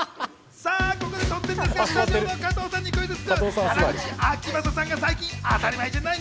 さあ、ここで突然ですが、スタジオの加藤さんにクイズッス！